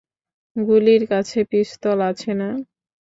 ওলির কাছে পিস্তল আছে না?